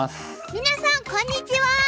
皆さんこんにちは。